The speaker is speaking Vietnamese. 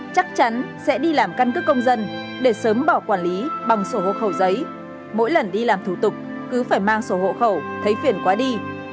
chắc chắn sẽ đi làm căn cứ công dân để sớm bỏ quản lý bằng sổ hộ khẩu giấy mỗi lần đi làm thủ tục cứ phải mang sổ hộ khẩu thấy phiền quá đi